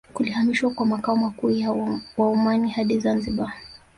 Kulihamishwa kwa makao makuu ya Waomani hadi Zanzibar